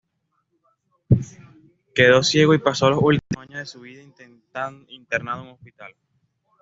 Quedó ciego y pasó los últimos años de su vida internado en un hospital.